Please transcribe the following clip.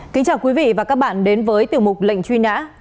kính chào quý vị và các bạn đến với tiểu mục lệnh truy nã